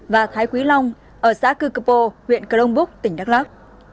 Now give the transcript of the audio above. và thái quý long ở xã cư cơ pô huyện cờ đông búc tỉnh đắk lắc